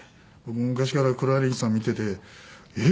昔から黒柳さん見ててえっ？